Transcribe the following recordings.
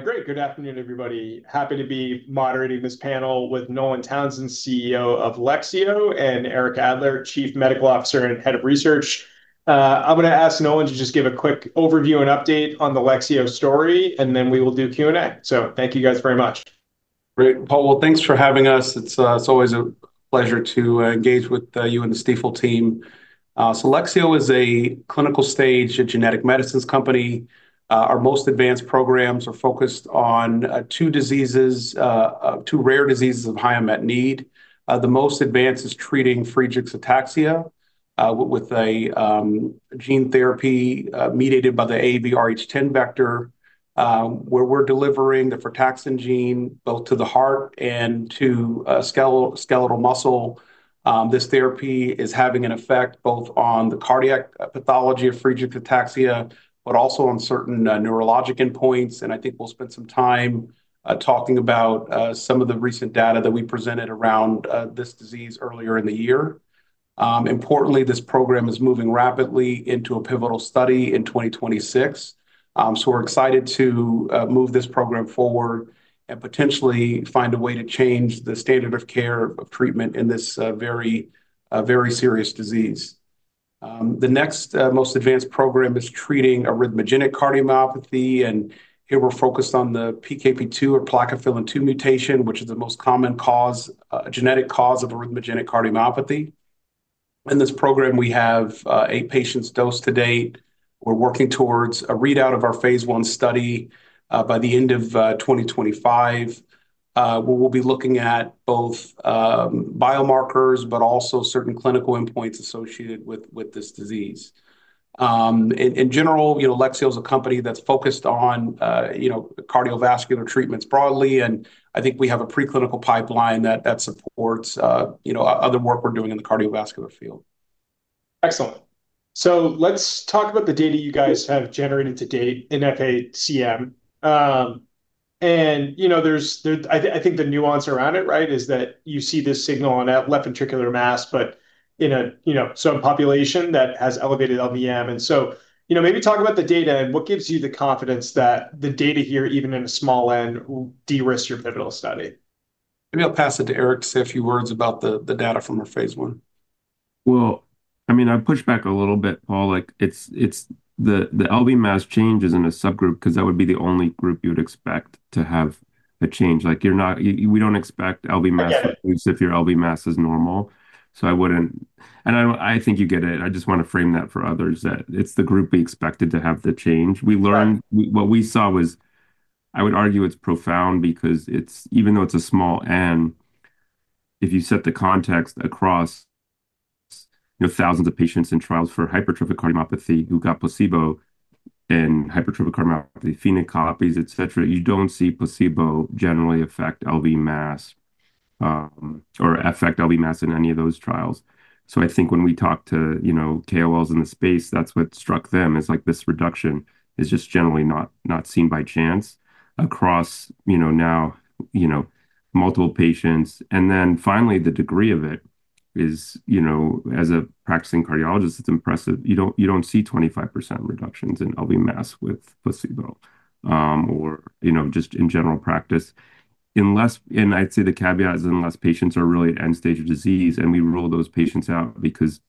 Great. Good afternoon, everybody. Happy to be moderating this panel with Nolan Townsend, CEO of Lexeo, and Eric Adler, Chief Medical Officer and Head of Research. I'm going to ask Nolan to just give a quick overview and update on the Lexeo story, and then we will do Q&A. Thank you guys very much. Great. Paul, thanks for having us. It's always a pleasure to engage with you and the Stifel team. Lexeo is a clinical stage genetic medicines company. Our most advanced programs are focused on two diseases, two rare diseases of high unmet need. The most advanced is treating Friedreich's ataxia with a gene therapy mediated by the ABRH10 vector, where we're delivering the frataxin gene both to the heart and to skeletal muscle. This therapy is having an effect both on the cardiac pathology of Friedreich's ataxia, but also on certain neurologic endpoints. I think we'll spend some time talking about some of the recent data that we presented around this disease earlier in the year. Importantly, this program is moving rapidly into a pivotal study in 2026. We're excited to move this program forward and potentially find a way to change the standard of care of treatment in this very, very serious disease. The next most advanced program is treating arrhythmogenic cardiomyopathy. Here we're focused on the PKP2 or plakophilin-2 mutation, which is the most common genetic cause of arrhythmogenic cardiomyopathy. In this program, we have eight patients dosed to date. We're working towards a readout of our Phase I study by the end of 2025, where we'll be looking at both biomarkers but also certain clinical endpoints associated with this disease. In general, Lexeo is a company that's focused on cardiovascular treatments broadly. I think we have a preclinical pipeline that supports other work we're doing in the cardiovascular field. Excellent. Let's talk about the data you guys have generated to date in FACM. I think the nuance around it is that you see this signal on that left ventricular mass, but in some population that has elevated LVM. Maybe talk about the data and what gives you the confidence that the data here, even in a small end, will de-risk your pivotal study. Maybe I'll pass it to Eric to say a few words about the data from our Phase I. I push back a little bit, Paul. The LV mass changes in a subgroup because that would be the only group you would expect to have a change. We don't expect LV mass to move if your LV mass is normal. I wouldn't, and I think you get it. I just want to frame that for others that it's the group we expected to have the change. We learned what we saw was, I would argue it's profound because even though it's a n, if you set the context across thousands of patients in trials for hypertrophic cardiomyopathy who got placebo and hypertrophic cardiomyopathy phenotypes, et cetera, you don't see placebo generally affect LV mass or affect LV mass in any of those trials. When we talked to KOLs in the space, that's what struck them is this reduction is just generally not seen by chance across now, you know, multiple patients. Finally, the degree of it is, you know, as a practicing cardiologist, it's impressive. You don't see 25% reductions in LV mass with placebo or, you know, just in general practice. I'd say the caveat is unless patients are really at end-stage of disease, and we roll those patients out because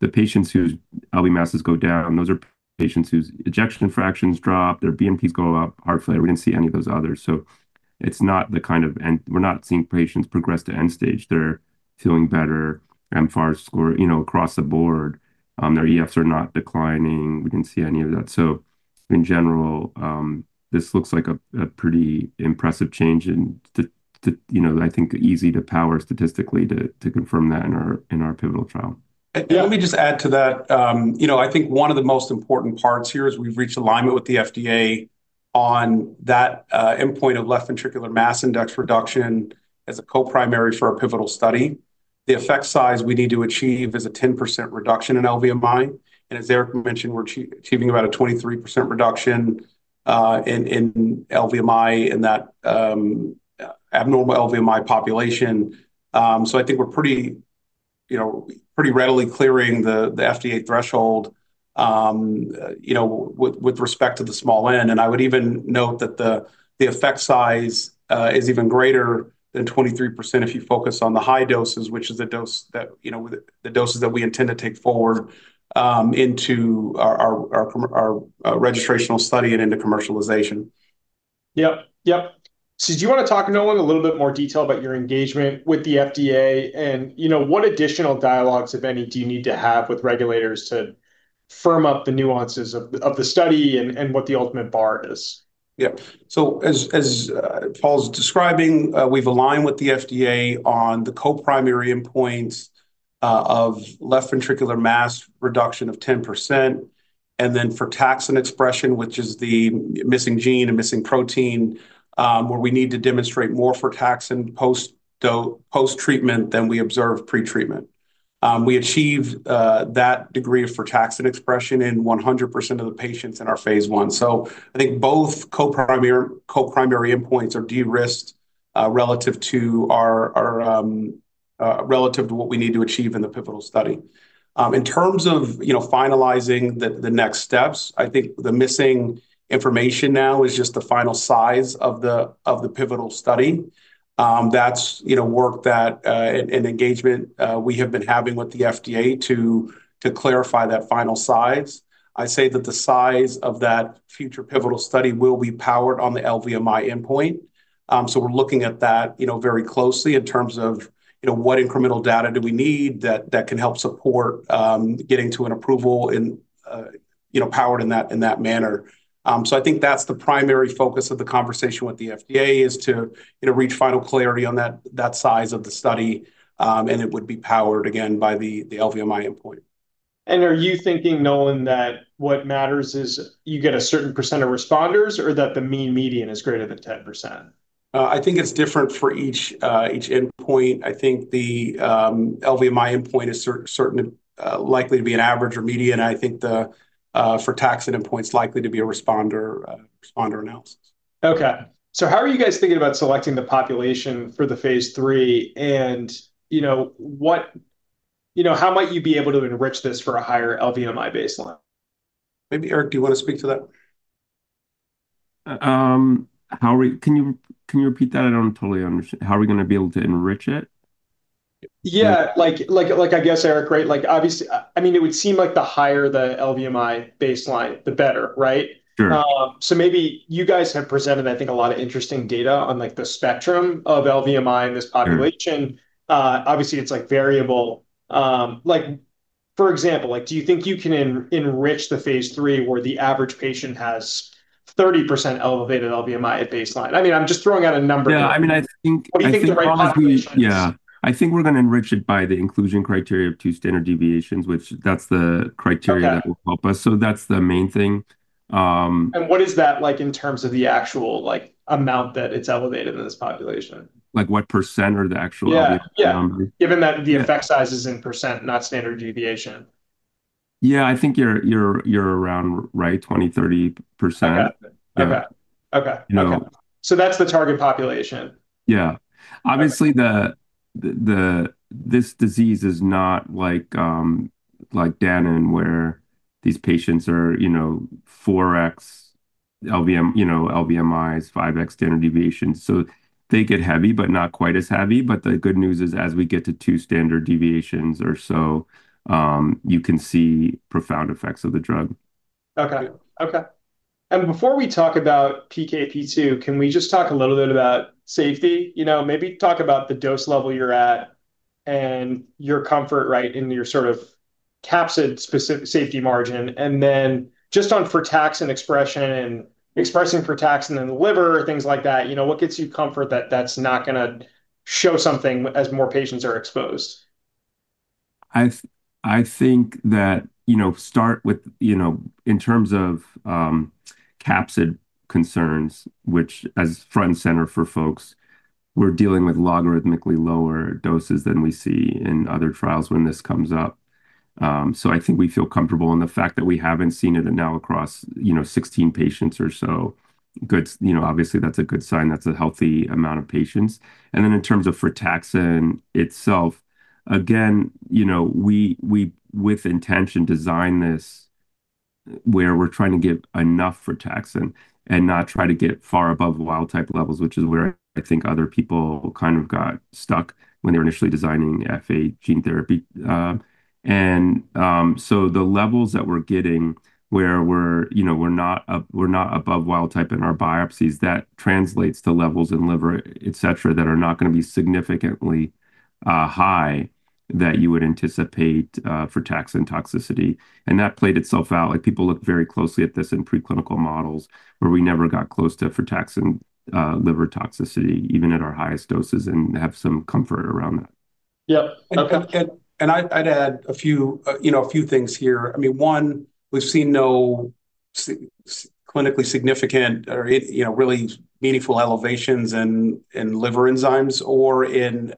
the patients whose LV masses go down, those are patients whose ejection fractions drop, their BNPs go up, heart failure. We didn't see any of those others. It's not the kind of, and we're not seeing patients progress to end stage. They're feeling better mFARS score, you know, across the board. Their EFs are not declining. We didn't see any of that. In general, this looks like a pretty impressive change and I think easy to power statistically to confirm that in our pivotal trial. Let me just add to that. I think one of the most important parts here is we've reached alignment with the FDA on that endpoint of left ventricular mass index reduction as a co-primary for our pivotal study. The effect size we need to achieve is a 10% reduction in LVMI. As Eric mentioned, we're achieving about a 23% reduction in LVMI in that abnormal LVMI population. I think we're pretty readily clearing the FDA threshold with respect to the n. I would even note that the effect size is even greater than 23% if you focus on the high doses, which is the doses that we intend to take forward into our registrational study and into commercialization. Do you want to talk to Nolan in a little bit more detail about your engagement with the FDA and what additional dialogues, if any, you need to have with regulators to firm up the nuances of the study and what the ultimate bar is? Yeah. As Paul's describing, we've aligned with the FDA on the co-primary endpoints of left ventricular mass reduction of 10% and then frataxin expression, which is the missing gene and missing protein, where we need to demonstrate more frataxin post-treatment than we observe pre-treatment. We achieved that degree of frataxin expression in 100% of the patients in our Phase I. I think both co-primary endpoints are de-risked relative to what we need to achieve in the pivotal study. In terms of finalizing the next steps, I think the missing information now is just the final size of the pivotal study. That's work that an engagement we have been having with the FDA to clarify that final size. I say that the size of that future pivotal study will be powered on the LVMI endpoint. We're looking at that very closely in terms of what incremental data do we need that can help support getting to an approval and powered in that manner. I think that's the primary focus of the conversation with the FDA is to reach final clarity on that size of the study. It would be powered again by the LVMI endpoint. Are you thinking, Nolan, that what matters is you get a certain percentage of responders or that the mean median is greater than 10%? I think it's different for each endpoint. I think the LVMI endpoint is certainly likely to be an average or median. I think the frataxin endpoint is likely to be a responder analysis. How are you guys thinking about selecting the population for the Phase III? You know, how might you be able to enrich this for a higher LVMI baseline? Maybe Eric, do you want to speak to that? Can you repeat that? I don't totally understand. How are we going to be able to enrich it? Yeah, I guess, Eric, right? Obviously, it would seem like the higher the LVMI baseline, the better, right? Maybe you guys have presented, I think, a lot of interesting data on the spectrum of LVMI in this population. Obviously, it's variable. For example, do you think you can enrich the Phase III where the average patient has 30% elevated LVMI at baseline? I'm just throwing out a number. I think we're going to enrich it by the inclusion criteria of two standard deviations, which that's the criteria that will help us. That's the main thing. What is that like in terms of the actual amount that it's elevated in this population? Like what percentage are the actual numbers? Yeah, given that the effect size is in percentage not standard deviation. Yeah, I think you're around 20%, 30%. Okay, that's the target population. Yeah. Obviously, this disease is not like Danon where these patients are, you know, 4x LVMI, 5x standard deviation. They get heavy, but not quite as heavy. The good news is as we get to two standard deviations or so, you can see profound effects of the drug. Okay. Before we talk about PKP2, can we just talk a little bit about safety? Maybe talk about the dose level you're at and your comfort, right, in your sort of capsid specific safety margin. Just on frataxin expression and expressing frataxin in the liver, things like that, what gives you comfort that that's not going to show something as more patients are exposed? I think that, in terms of capsid concerns, which are front and center for folks, we're dealing with logarithmically lower doses than we see in other trials when this comes up. I think we feel comfortable in the fact that we haven't seen it now across 16 patients or so. Obviously, that's a good sign. That's a healthy amount of patients. In terms of frataxin itself, again, we with intention designed this where we're trying to give enough frataxin and not try to get it far above wild type levels, which is where I think other people kind of got stuck when they were initially designing the FA gene therapy. The levels that we're getting, we're not above wild type in our biopsies. That translates to levels in liver, et cetera, that are not going to be significantly high that you would anticipate frataxin toxicity. That played itself out. People look very closely at this in preclinical models where we never got close to frataxin liver toxicity, even at our highest doses, and have some comfort around that. Yep. Okay. I'd add a few things here. I mean, one, we've seen no clinically significant or really meaningful elevations in liver enzymes or in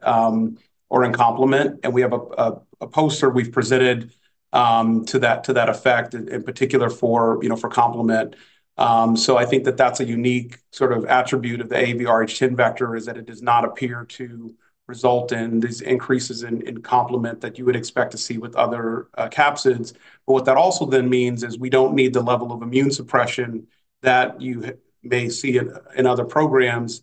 complement. We have a poster we've presented to that effect, in particular for complement. I think that that's a unique sort of attribute of the ABRH10 vector, as it does not appear to result in these increases in complement that you would expect to see with other capsids. What that also then means is we don't need the level of immunosuppression that you may see in other programs.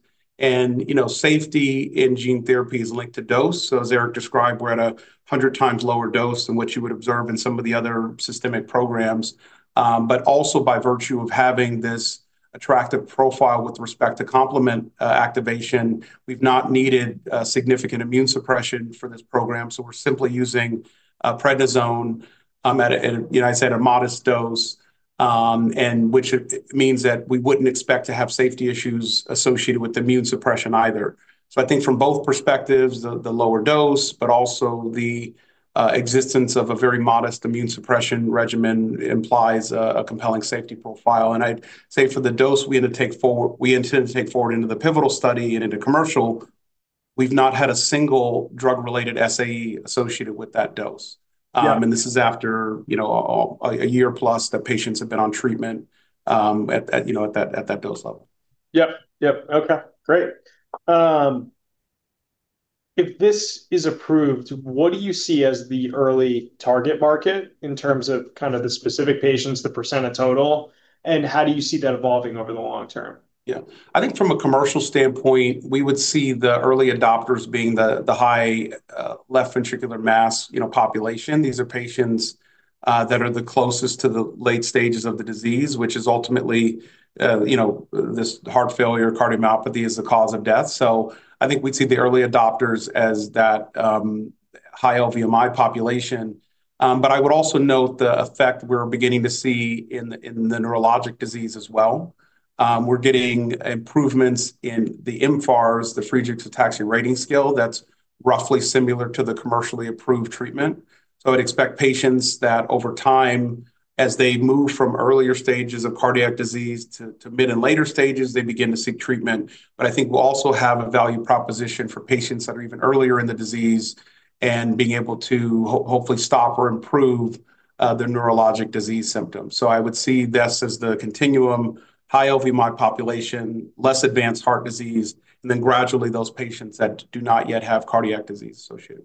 Safety in gene therapy is linked to dose. As Eric described, we're at a 100x lower dose than what you would observe in some of the other systemic programs. Also, by virtue of having this attractive profile with respect to complement activation, we've not needed significant immunosuppression for this program. We're simply using prednisone, a modest dose, which means that we wouldn't expect to have safety issues associated with immunosuppression either. I think from both perspectives, the lower dose and the existence of a very modest immunosuppression regimen implies a compelling safety profile. For the dose we had to take forward, we intended to take forward into the pivotal study and into commercial, we've not had a single drug-related SAE associated with that dose. This is after a year plus that patients have been on treatment at that dose level. Okay. Great. If this is approved, what do you see as the early target market in terms of kind of the specific patients, the percentage of total, and how do you see that evolving over the long term? Yeah. I think from a commercial standpoint, we would see the early adopters being the high left ventricular mass population. These are patients that are the closest to the late stages of the disease, which is ultimately, you know, this heart failure, cardiomyopathy is the cause of death. I think we'd see the early adopters as that high LVMI population. I would also note the effect we're beginning to see in the neurologic disease as well. We're getting improvements in the mFARS, the Friedreich's ataxia rating scale that's roughly similar to the commercially approved treatment. I would expect patients that over time, as they move from earlier stages of cardiac disease to mid and later stages, they begin to seek treatment. I think we'll also have a value proposition for patients that are even earlier in the disease and being able to hopefully stop or improve their neurologic disease symptoms. I would see this as the continuum, high LVMI population, less advanced heart disease, and then gradually those patients that do not yet have cardiac disease associated.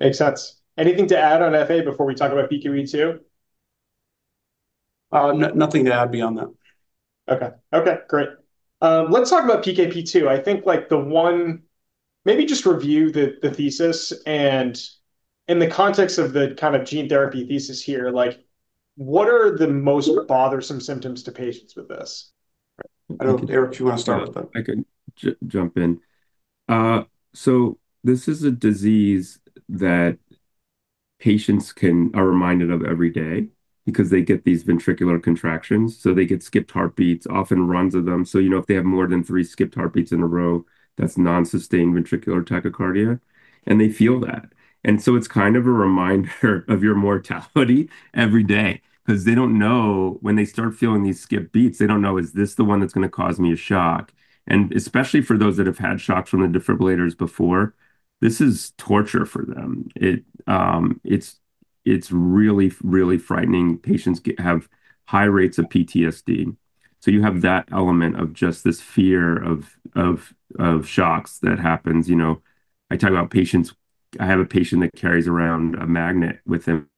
Makes sense. Anything to add on FA before we talk about PKP2? Nothing to add beyond that. Okay. Great. Let's talk about PKP2. I think like the one, maybe just review the thesis and in the context of the kind of gene therapy thesis here, like what are the most bothersome symptoms to patients with this? I don't know if Eric, you want to start with that. I can jump in. This is a disease that patients are reminded of every day because they get these ventricular contractions. They get skipped heartbeats, often runs of them. If they have more than three skipped heartbeats in a row, that's non-sustained ventricular tachycardia. They feel that. It's kind of a reminder of your mortality every day because they don't know when they start feeling these skipped beats. They don't know, is this the one that's going to cause me a shock? Especially for those that have had shocks from the defibrillators before, this is torture for them. It's really, really frightening. Patients have high rates of PTSD. You have that element of just this fear of shocks that happens. I talk about patients. I have a patient that carries around a magnet with him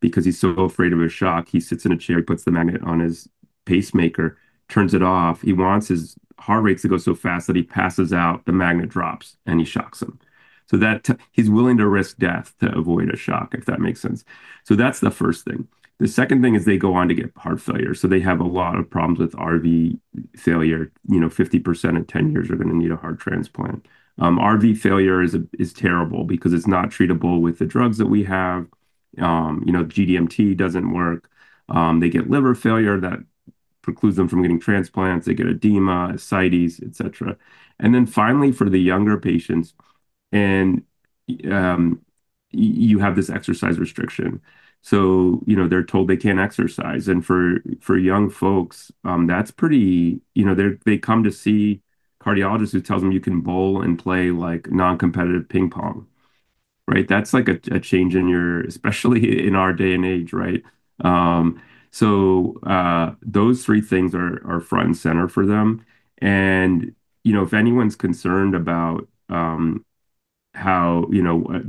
because he's so afraid of a shock. He sits in a chair, puts the magnet on his pacemaker, turns it off. He wants his heart rates to go so fast that he passes out, the magnet drops, and he shocks him. He's willing to risk death to avoid a shock, if that makes sense. That's the first thing. The second thing is they go on to get heart failure. They have a lot of problems with RV failure. 50% at 10 years are going to need a heart transplant. RV failure is terrible because it's not treatable with the drugs that we have. GDMT doesn't work. They get liver failure that precludes them from getting transplants. They get edema, ascites, etc. Finally, for the younger patients, you have this exercise restriction. They're told they can't exercise. For young folks, that's pretty, you know, they come to see cardiologists who tell them you can bowl and play like non-competitive ping pong. That's like a change in your, especially in our day and age, right? Those three things are front and center for them. If anyone's concerned about how, you know,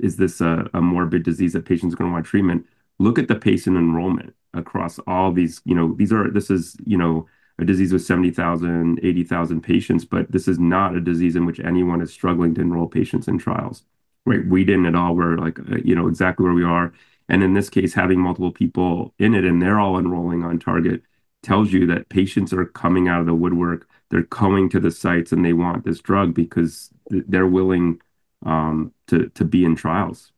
is this a morbid disease that patients are going to want treatment, look at the patient enrollment across all these. This is a disease with 70,000, 80,000 patients, but this is not a disease in which anyone is struggling to enroll patients in trials. We didn't at all. We're exactly where we are. In this case, having multiple people in it and they're all enrolling on target tells you that patients are coming out of the woodwork. They're coming to the sites and they want this drug because they're willing to be in trials.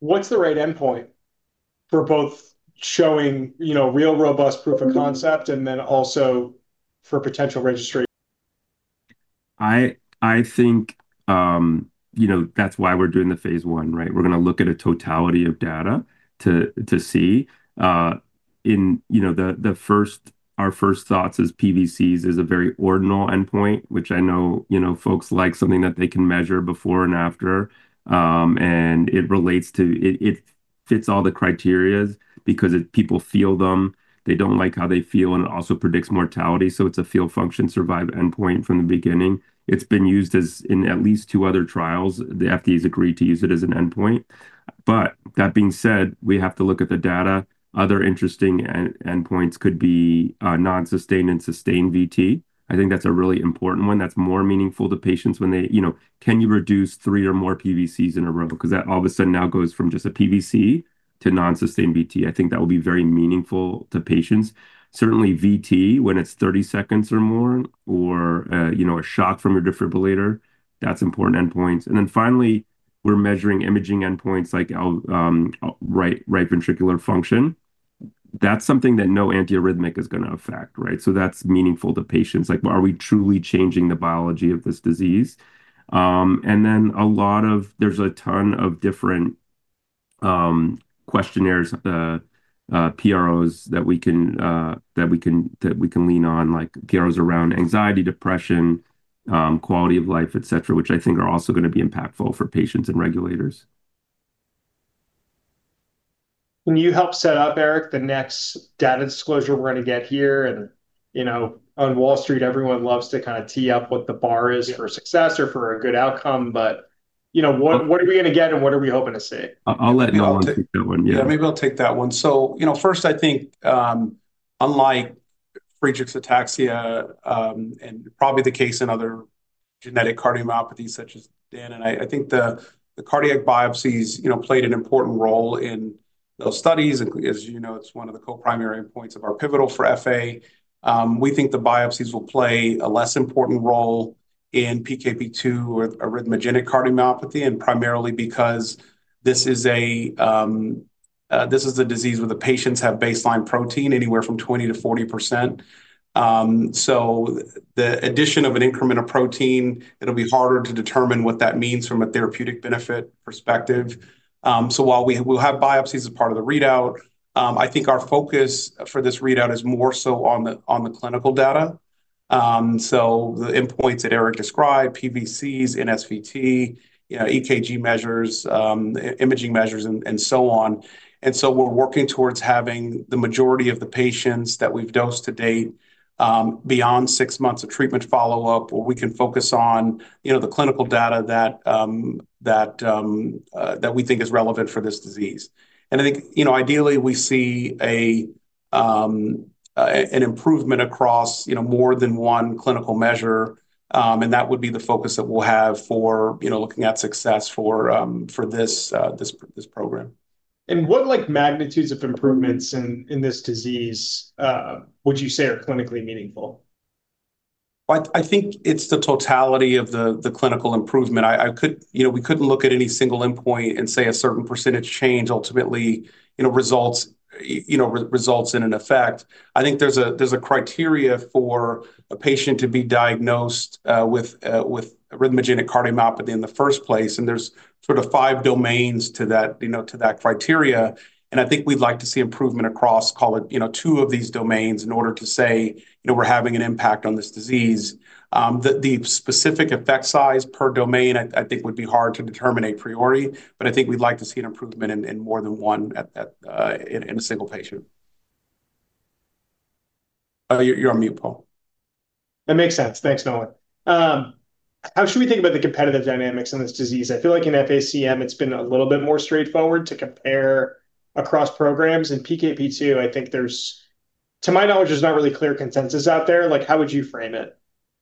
What's the right endpoint for both showing real robust proof of concept and then also for potential registration? I think that's why we're doing the Phase I, right? We're going to look at a totality of data to see. Our first thoughts is PVCs is a very ordinal endpoint, which I know folks like something that they can measure before and after. It relates to, it fits all the criteria because people feel them. They don't like how they feel and it also predicts mortality. It's a field function survive endpoint from the beginning. It's been used in at least two other trials. The FDA's agreed to use it as an endpoint. That being said, we have to look at the data. Other interesting endpoints could be non-sustained and sustained VT. I think that's a really important one. That's more meaningful to patients when they, you know, can you reduce three or more PVCs in a row? Because that all of a sudden now goes from just a PVC to non-sustained VT. I think that will be very meaningful to patients. Certainly VT when it's 30 seconds or more or, you know, a shock from a defibrillator, that's important endpoints. Finally, we're measuring imaging endpoints like right ventricular function. That's something that no antiarrhythmic is going to affect, right? That's meaningful to patients. Like, are we truly changing the biology of this disease? A lot of, there's a ton of different questionnaires, the PROs that we can lean on, like PROs around anxiety, depression, quality of life, et cetera, which I think are also going to be impactful for patients and regulators. Can you help set up, Eric, the next data disclosure we're going to get here? On Wall Street, everyone loves to kind of tee up what the bar is for success or for a good outcome. What are we going to get and what are we hoping to see? I'll let you all on speaker one. Yeah, maybe I'll take that one. First, I think, unlike Friedreich's ataxia, and probably the case in other genetic cardiomyopathies such as Dan, I think the cardiac biopsies played an important role in those studies. As you know, it's one of the co-primary endpoints of our pivotal for FA. We think the biopsies will play a less important role in PKP2 or arrhythmogenic cardiomyopathy, primarily because this is a disease where the patients have baseline protein anywhere from 20%-40%. The addition of an increment of protein, it'll be harder to determine what that means from a therapeutic benefit perspective. While we will have biopsies as part of the readout, I think our focus for this readout is more so on the clinical data, the endpoints that Eric described, PVCs, NSVT, EKG measures, imaging measures, and so on. We're working towards having the majority of the patients that we've dosed to date beyond six months of treatment follow-up, where we can focus on the clinical data that we think is relevant for this disease. Ideally, we see an improvement across more than one clinical measure, and that would be the focus that we'll have for looking at success for this program. What magnitudes of improvements in this disease would you say are clinically meaningful? I think it's the totality of the clinical improvement. We couldn't look at any single endpoint and say a certain percentage change ultimately results in an effect. I think there's a criteria for a patient to be diagnosed with arrhythmogenic cardiomyopathy in the first place. There's sort of five domains to that criteria. I think we'd like to see improvement across, call it, two of these domains in order to say we're having an impact on this disease. The specific effect size per domain, I think, would be hard to determine a priority. I think we'd like to see an improvement in more than one in a single patient. You're on mute, Paul. That makes sense. Thanks, Nolan. How should we think about the competitive dynamics in this disease? I feel like in FACM, it's been a little bit more straightforward to compare across programs. In PKP2, I think there's not really clear consensus out there. How would you frame it?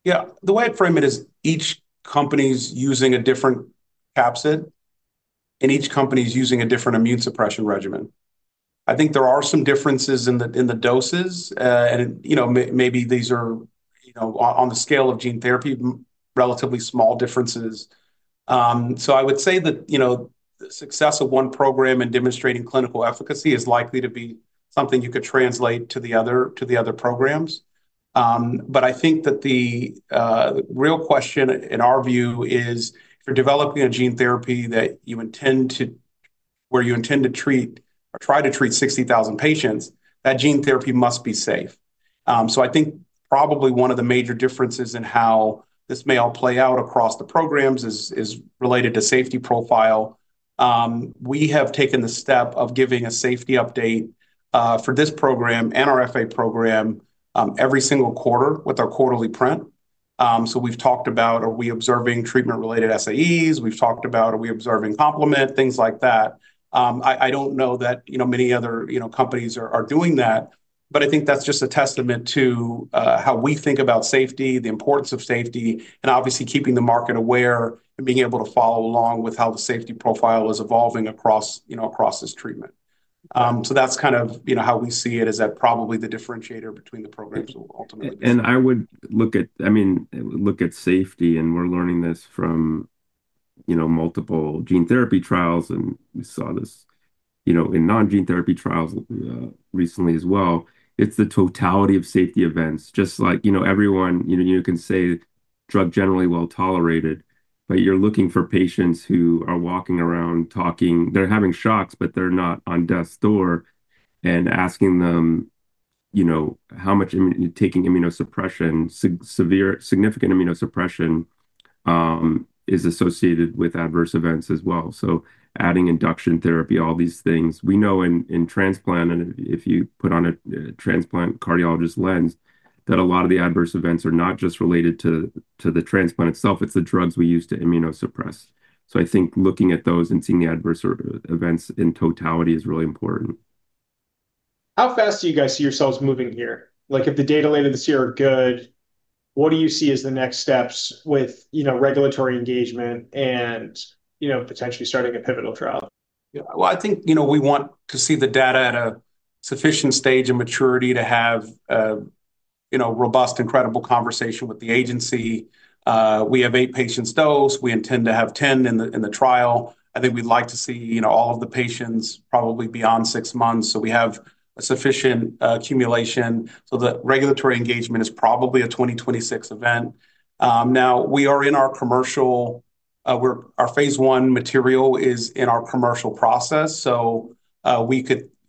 Yeah, the way I'd frame it is each company's using a different capsid and each company's using a different immunosuppression regimen. I think there are some differences in the doses. Maybe these are, on the scale of gene therapy, relatively small differences. I would say that the success of one program in demonstrating clinical efficacy is likely to be something you could translate to the other programs. I think that the real question in our view is you're developing a gene therapy that you intend to, where you intend to treat or try to treat 60,000 patients. That gene therapy must be safe. I think probably one of the major differences in how this may all play out across the programs is related to safety profile. We have taken the step of giving a safety update for this program and our FA program every single quarter with our quarterly print. We've talked about, are we observing treatment-related SAEs? We've talked about, are we observing complement, things like that? I don't know that many other companies are doing that. I think that's just a testament to how we think about safety, the importance of safety, and obviously keeping the market aware and being able to follow along with how the safety profile is evolving across this treatment. That's kind of how we see it as that probably the differentiator between the programs ultimately. I would look at safety, and we're learning this from multiple gene therapy trials, and we saw this in non-gene therapy trials recently as well. It's the totality of safety events, just like, you know, everyone, you know, you can say drug generally well tolerated, but you're looking for patients who are walking around talking, they're having shocks, but they're not on death's door and asking them how much taking immunosuppression, severe significant immunosuppression is associated with adverse events as well. Adding induction therapy, all these things, we know in transplant, and if you put on a transplant cardiologist lens, a lot of the adverse events are not just related to the transplant itself, it's the drugs we use to immunosuppress. I think looking at those and seeing the adverse events in totality is really important. How fast do you guys see yourselves moving here? If the data later this year are good, what do you see as the next steps with regulatory engagement and potentially starting a pivotal trial? I think we want to see the data at a sufficient stage of maturity to have robust and credible conversation with the agency. We have eight patients dosed. We intend to have 10 in the trial. I think we'd like to see all of the patients probably beyond six months, so we have a sufficient accumulation. The regulatory engagement is probably a 2026 event. Now we are in our commercial, our Phase I material is in our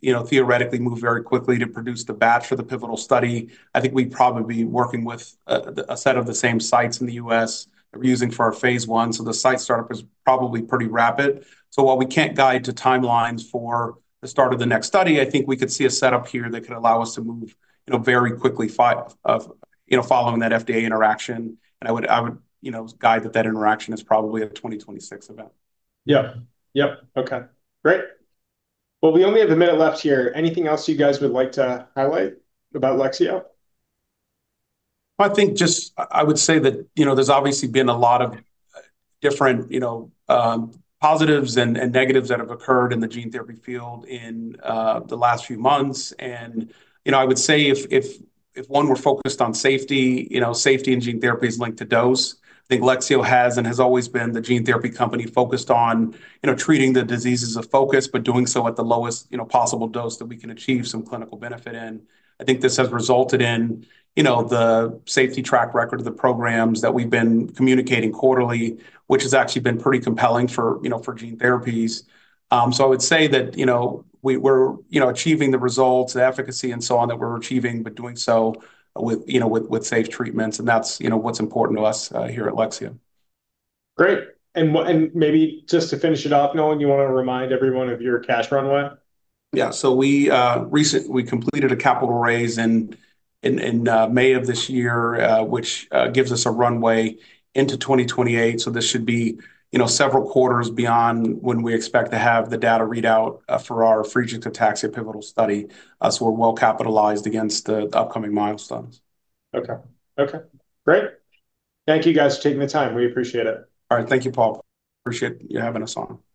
commercial process. We could theoretically move very quickly to produce the batch for the pivotal study. I think we'd probably be working with a set of the same sites in the U.S. that we're using for our Phase I, so the site startup is probably pretty rapid. While we can't guide to timelines for the start of the next study, I think we could see a setup here that could allow us to move very quickly following that FDA interaction. I would guide that that interaction is probably a 2026 event. Yeah. Yep. Okay. Great. We only have a minute left here. Anything else you guys would like to highlight about Lexeo? I think I would say that, you know, there's obviously been a lot of different positives and negatives that have occurred in the gene therapy field in the last few months. I would say if one were focused on safety, you know, safety in gene therapy is linked to dose. I think Lexeo has and has always been the gene therapy company focused on, you know, treating the diseases of focus, but doing so at the lowest possible dose that we can achieve some clinical benefit in. I think this has resulted in the safety track record of the programs that we've been communicating quarterly, which has actually been pretty compelling for gene therapies. I would say that we're achieving the results and efficacy and so on that we're achieving, but doing so with safe treatments. That's what's important to us here at Lexeo. Great. Maybe just to finish it off, Nolan, you want to remind everyone of your cash runway? Yeah. We recently completed a capital raise in May of this year, which gives us a runway into 2028. This should be several quarters beyond when we expect to have the data readout for our Friedreich's ataxia pivotal study. We're well capitalized against the upcoming milestones. Okay. Great. Thank you guys for taking the time. We appreciate it. All right. Thank you, Paul. Appreciate you having us on.